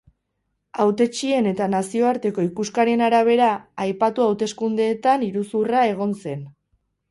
Hautetsien eta nazioarteko ikuskarien arabera, aipatu hauteskundeetan iruzurra egon zen.